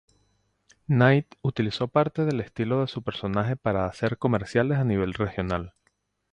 Knight utilizó parte del estilo de su personaje para hacer comerciales a nivel regional.